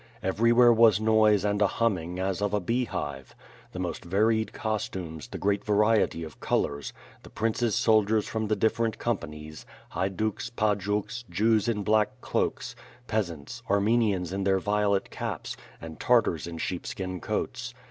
Everywhere was noise and a humming, as of a beehive. The most varied costumes, the great variety of colors, the Prince's soldiers from the different companies, Haiduks, Pajuks, Jews in black cloaks, peasants, Armenians in their violet caps, and Tartars in sheepskin coats.